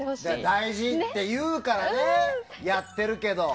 大事っていうからねやってるけど。